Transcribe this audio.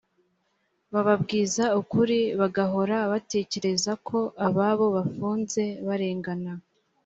bababwiza ukuri bagahora batekereza ko ababo bafunze barengana